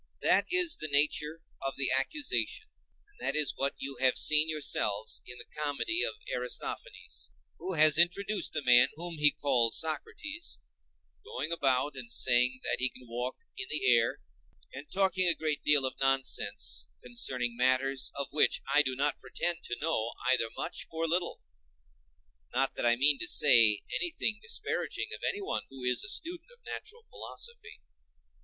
That is the nature of the accusation, and that is what you have seen yourselves in the comedy of Aristophanes; who has introduced a man whom he calls Socrates, going about and saying that he can walk in the air, and talking a deal of nonsense concerning matters of which I do not pretend to know either much or little—not that I mean to say anything disparaging of anyone who is a student of natural philosophy.